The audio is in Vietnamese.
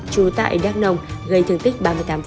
trú tại đắk nông gây thương tích ba mươi tám